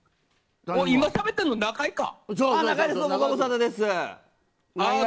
今しゃべってるの中居か。